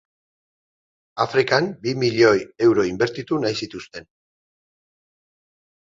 Afrikan bi milioi euro inbertitu nahi zituzten.